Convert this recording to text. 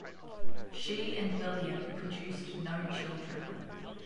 She and William produced no children.